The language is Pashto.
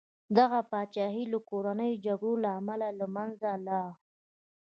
دغه پاچاهي د کورنیو جګړو له امله له منځه لاړه.